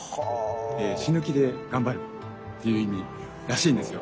え死ぬ気で頑張るっていう意味らしいんですよ。